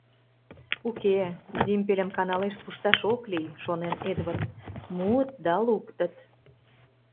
“Уке, Зимпельым каналеш пушташ ок лий, — шонен Эдвард, — муыт да луктыт”.